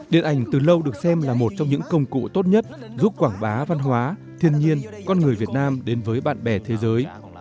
điện ảnh từ lâu được xem là một trong những công cụ tốt nhất giúp quảng bá văn hóa thiên nhiên con người việt nam đến với bạn bè thế giới